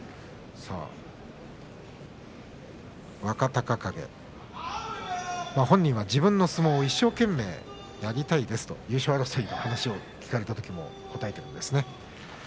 若隆景、本人は自分の相撲を一生懸命やりたいですと優勝争いの話を聞かれたときも答えているんですね。